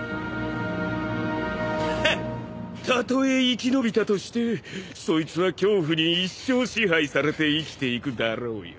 ハッたとえ生き延びたとしてそいつは恐怖に一生支配されて生きていくだろうよ。